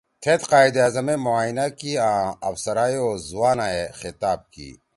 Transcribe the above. تھید قائداعظم ئے معائینہ کی آں افسرا ئے او زُوانا ئے خطاب کی